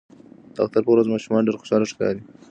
د اختر په ورځ ماشومان ډیر خوشاله ښکاري.